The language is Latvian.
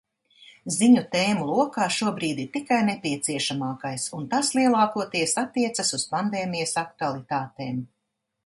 Ziņu tēmu lokā šobrīd ir tikai nepieciešamākais, un tas lielākoties attiecas uz pandēmijas aktualitātēm.